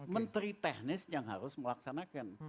menteri teknis yang harus melaksanakan